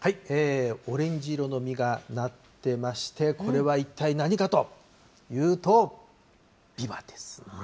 オレンジ色の実がなってまして、これはいったい何かというと、ビワです。